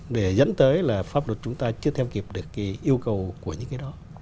để dẫn tới là pháp luật chúng ta chưa theo kịp được cái yêu cầu của những cái đó